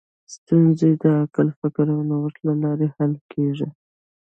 ستونزې د عقل، فکر او نوښت له لارې حل کېږي.